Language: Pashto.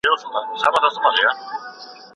اګوست کنت د ټولني لپاره څو مرحلې ټاکلې وې؟